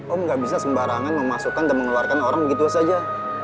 om gak bisa sembarangan memasukkan dan mengeluarkan orang begitu saja